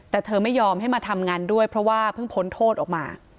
แต่เธอไม่ยอมให้มาทำงานด้วยเพราะว่าเพิ่งพ้นโทษออกมา